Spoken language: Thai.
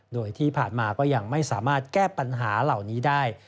โดยที่ผ่านมาก็ยังไม่สามารถแก้ปัญหาเหล่านี้ได้